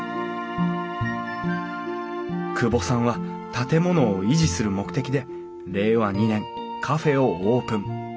久保さんは建物を維持する目的で令和２年カフェをオープン。